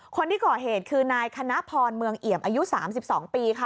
คนที่ก่อเหตุคือนายคณะพรเมืองเอี่ยมอายุ๓๒ปีค่ะ